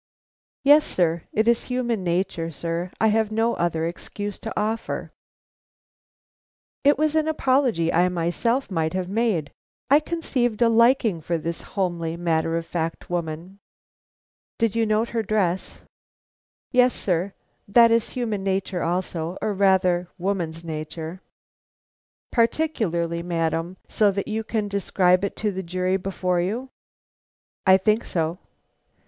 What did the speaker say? "Yes, sir; it is human nature, sir; I have no other excuse to offer." It was an apology I myself might have made. I conceived a liking for this homely matter of fact woman. "Did you note her dress?" "Yes, sir; that is human nature also, or, rather, woman's nature." "Particularly, madam; so that you can describe it to the jury before you?" "I think so."